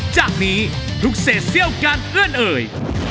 จากนี้ทุกเศษเซี่ยวการเอื้อนเอ่ย